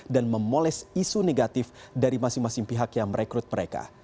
dan memoles isu negatif dari masing masing pihak yang merekrut mereka